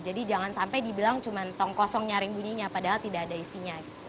jadi jangan sampai dibilang cuma tongkosong nyaring bunyinya padahal tidak ada isinya gitu